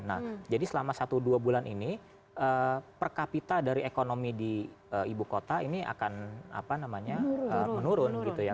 nah jadi selama satu dua bulan ini per kapita dari ekonomi di ibu kota ini akan menurun gitu ya